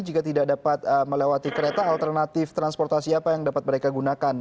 jika tidak dapat melewati kereta alternatif transportasi apa yang dapat mereka gunakan